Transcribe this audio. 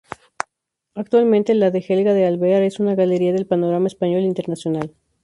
Actualmente la de Helga de Alvear es una galería del panorama español internacional.